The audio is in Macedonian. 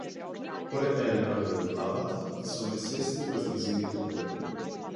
Полека ја навали главата и се онесвести врз нејзините колена.